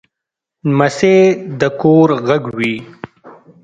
لمسی د کور غږ وي.